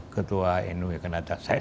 ketua umu saya